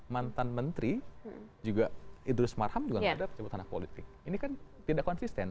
mantan menteri idris marham juga nggak ada cabutan hak politik ini kan tidak konsisten